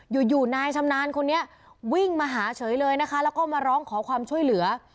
อยู่อยู่นายชำนาญคนนี้วิ่งมาหาเฉยเลยนะคะแล้วก็มาร้องขอความช่วยเหลือ